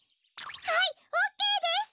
はいオーケーです！